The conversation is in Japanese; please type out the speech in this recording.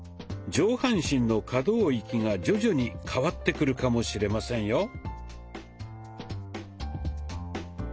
上半身の可動域が徐々に変わってくるかもしれませんよ。